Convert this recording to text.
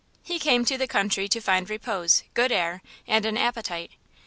He came to the country to find repose, good air and an appetite.